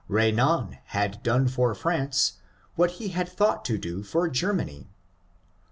Benan had done for France what he had thought to do for Germany.